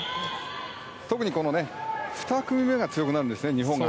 特に、２組めが強くなるんですね、日本は。